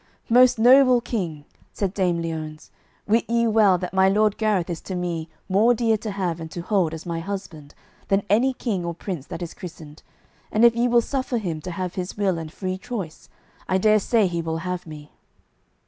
"Most noble King," said Dame Liones, "wit ye well that my Lord Gareth is to me more dear to have and to hold as my husband than any king or prince that is christened, and if ye will suffer him to have his will and free choice, I dare say he will have me."